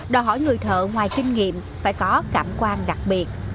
đòi hỏi người thợ ngoài kinh nghiệm phải có cảm quan đặc biệt